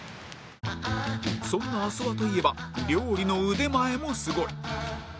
そんな阿諏訪といえば料理の腕前もすごい